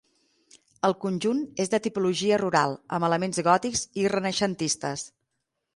El conjunt és de tipologia rural, amb elements gòtics i renaixentistes.